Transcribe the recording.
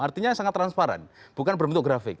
artinya sangat transparan bukan berbentuk grafik